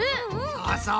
そうそう。